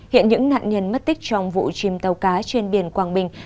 hiện những nạn nhân mất tích trong vụ chìm tàu cá trên biển quảng bình